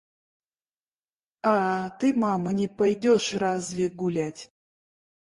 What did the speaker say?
А ты, мама, не пойдёшь разве гулять?